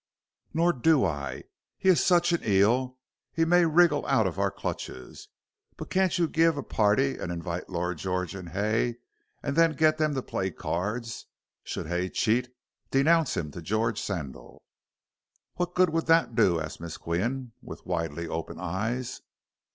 "Nor do I. He's such an eel, he may wriggle out of our clutches. But can't you give a party and invite Lord George and Hay, and then get them to play cards. Should Hay cheat, denounce him to George Sandal." "What good would that do?" asked Miss Qian, with widely open eyes.